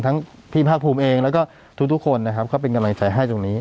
พี่ภาคภูมิเองแล้วก็ทุกคนนะครับก็เป็นกำลังใจให้ตรงนี้